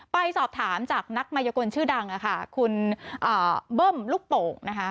ไปสอบถามจากนักมายกลชื่อดังคุณเบิ้มลูกโป่งนะคะ